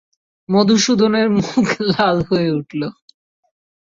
মধসূদনের মুখ লাল হয়ে উঠল।